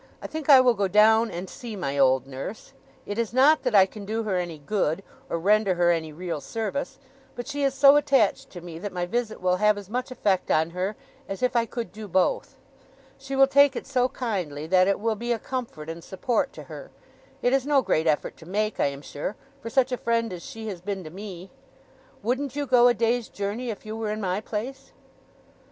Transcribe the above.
I think I will go down and see my old nurse. It is not that I can do her any good, or render her any real service; but she is so attached to me that my visit will have as much effect on her, as if I could do both. She will take it so kindly that it will be a comfort and support to her. It is no great effort to make, I am sure, for such a friend as she has been to me. Wouldn't you go a day's journey, if you were in my place?